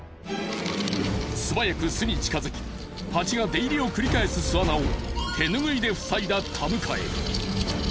素早く巣に近づきハチが出入りを繰り返す巣穴を手拭いで塞いだ田迎。